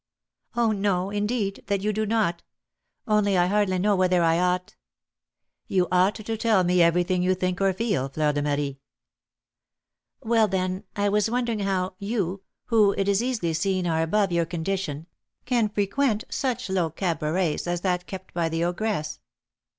"Oh, no, indeed, that you do not; only I hardly know whether I ought " "You ought to tell me everything you think or feel, Fleur de Marie." "Well, then, I was wondering how you, who, it is easily seen, are above your condition, can frequent such low cabarets as that kept by the ogress."